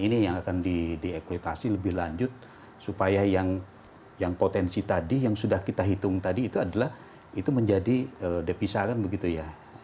ini yang akan diekploitasi lebih lanjut supaya yang potensi tadi yang sudah kita hitung tadi itu adalah itu menjadi depisa kan begitu ya